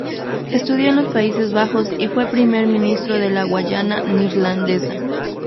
Estudió en los Países Bajos y fue primer ministro de la Guayana Neerlandesa.